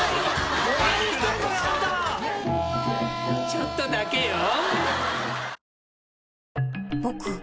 ちょっとだけよ。